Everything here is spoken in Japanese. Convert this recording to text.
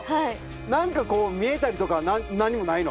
何かこう見えたりとか何にもないの？